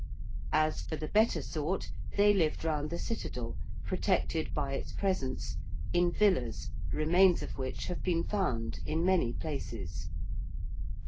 As for the better sort, they lived round the Citadel, protected by its presence, in villas, remains of which have been found in many places.